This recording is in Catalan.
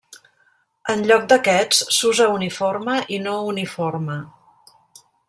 En lloc d'aquests s'usa uniforme i no uniforme.